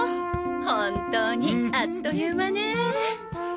本当にあっという間ねぇ。